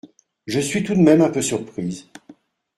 Je suis tout de même un peu surprise.